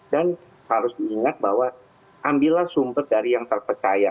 dan seharusnya diingat bahwa ambillah sumber dari yang terpercaya